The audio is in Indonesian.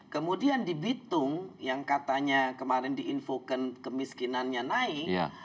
kemudian di bitung yang katanya kemarin diinfokan kemiskinannya naik